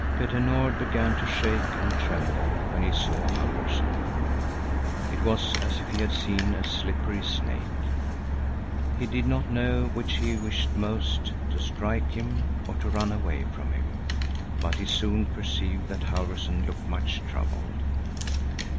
Petter Nord began to shake and tremble when he saw Halfvorson. It was as if he had seen a slippery snake. He did not know which he wished most—to strike him or to run away from him; but he soon perceived that Halfvorson looked much troubled.